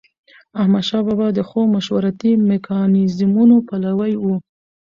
احمدشاه بابا د ښو مشورتي میکانیزمونو پلوي و.